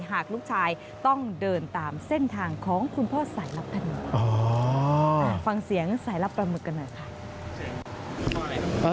หากลูกชายต้องเดินตามเส้นทางของคุณพ่อสายลับประหมึก